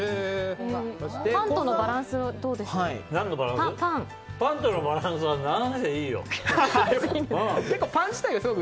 パンとのバランスはどうでしょう？